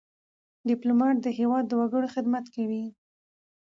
ډيپلومات د هېواد د وګړو خدمت کوي.